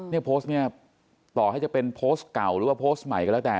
เนี่ยโพสต์เนี่ยต่อให้จะเป็นโพสต์เก่าหรือว่าโพสต์ใหม่ก็แล้วแต่